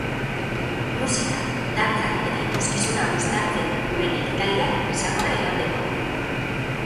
Musika, dantza eta ikuskizuna uztartzen duen ekitaldia izango da igandekoa.